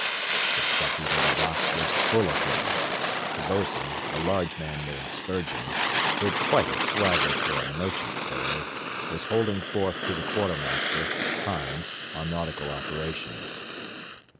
The stuffy little box was full of men. The bos'n, a large man named Spurgen, who had quite a swagger for a merchant sailor, was holding forth to the quartermaster, Hans, on nautical operations.